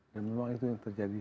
dan memang itu yang terjadi